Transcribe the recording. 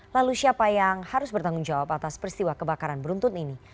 lalu siapa yang harus bertanggung jawab atas peristiwa kebakaran beruntun ini